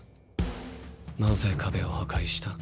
なぜ壁を破壊した？